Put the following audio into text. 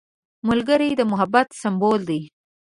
ملګری د محبت سمبول دی